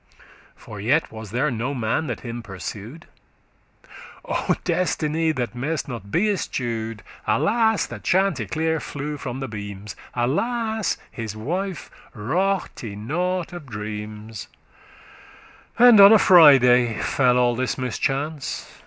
For yet was there no man that him pursu'd. O destiny, that may'st not be eschew'd!* *escaped Alas, that Chanticleer flew from the beams! Alas, his wife raughte* nought of dreams! *regarded And on a Friday fell all this mischance.